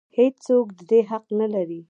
هېڅ څوک د دې حق نه لري.